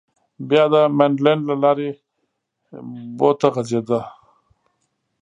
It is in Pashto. بیا د منډلنډ له لارې بو ته غځېده.